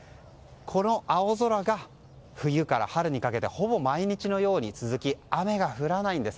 この青空が冬から春にかけてほぼ毎日のように続き雨が降らないんです。